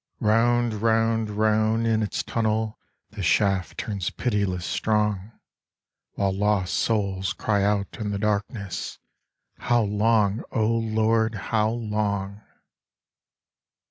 Round, round, round in its tunnel The shaft turns pitiless strong, While lost souls cry out in the darkness: "How long, O Lord, how long?"